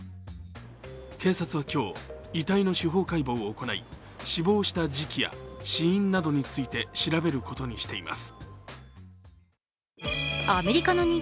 警察は今日、遺体の司法解剖を行い、死亡した時期や死因などについて調べることにしています。